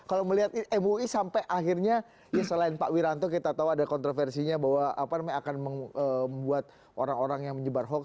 kalau melihat mui sampai akhirnya ya selain pak wiranto kita tahu ada kontroversinya bahwa akan membuat orang orang yang menyebar hoax